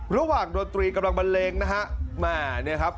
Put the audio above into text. กำลังบันเลงนะฮะมาเนี่ยครับ